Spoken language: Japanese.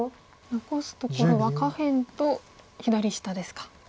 残すところは下辺と左下ですか。